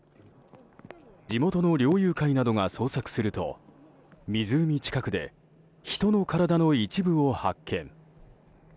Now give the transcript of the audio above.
地元の猟友会などが捜索すると湖近くで人の体の一部を発見。